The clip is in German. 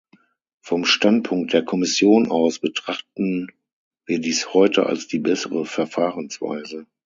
Vom Standpunkt der Kommission aus betrachten wir dies heute als die bessere Verfahrensweise.